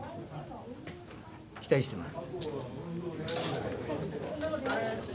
期待してます。